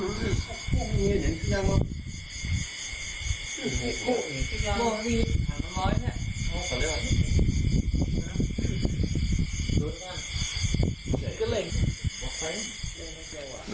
ไอโฮ